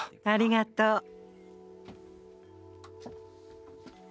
ありがとう。